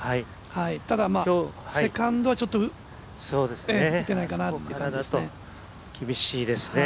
ただセカンドはちょっと打てないかなっていう感じですね。